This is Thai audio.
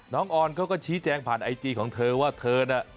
ออนเขาก็ชี้แจงผ่านไอจีของเธอว่าเธอน่ะ